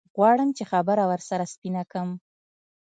غواړم چې خبره ورسره سپينه کم.